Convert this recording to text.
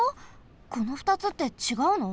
この２つってちがうの？